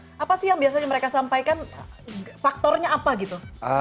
jadi apa sih yang biasanya mereka sampaikan faktornya apa gitu